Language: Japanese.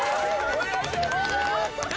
お願いします